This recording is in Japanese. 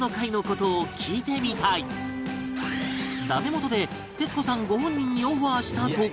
ダメもとで徹子さんご本人にオファーしたところ